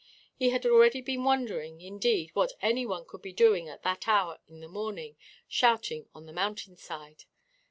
He had already been wondering, indeed, what any one could be doing at that hour in the morning, shouting on the mountain side.